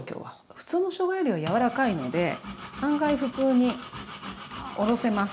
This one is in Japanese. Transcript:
普通のしょうがよりは柔らかいので案外普通におろせます。